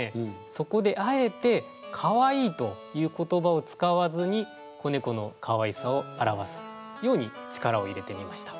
そこであえて「かわいい」という言葉を使わずに子猫のかわいさを表すように力を入れてみました。